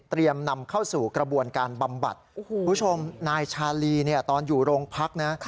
นำเข้าสู่กระบวนการบำบัดคุณผู้ชมนายชาลีเนี่ยตอนอยู่โรงพักนะ